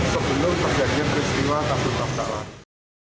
sebelum terakhir peristiwa takut apa apa